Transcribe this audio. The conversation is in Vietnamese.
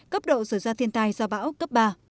cấp độ rửa ra thiên tai do bão cấp ba